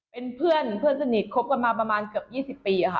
เป็นเพื่อนสนิทคบกันมาประมาณเกือบ๒๐ปี